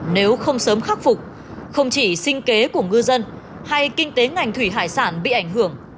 nếu không sớm khắc phục không chỉ sinh kế của ngư dân hay kinh tế ngành thủy hải sản bị ảnh hưởng